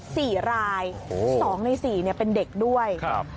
สี่รายโอ้สองในสี่เนี้ยเป็นเด็กด้วยครับ